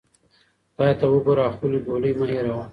خدای ته وګوره او خپلې ګولۍ مه هیروه.